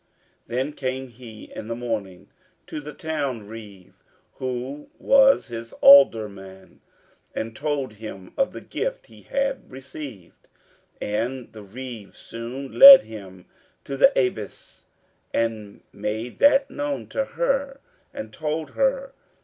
Then came he in the morning to the town reeve, who was his aldorman, and told him of the gift he had received. And the reeve soon led him to the abbess, and made that known to her and told her.